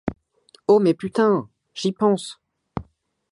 Oh mais putain j’y pense !